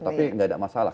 tapi nggak ada masalah